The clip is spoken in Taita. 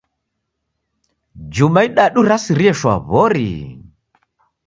Juma idadu rasirie shwaw'ori.